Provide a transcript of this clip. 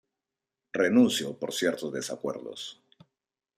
Renunció por ciertos desacuerdos.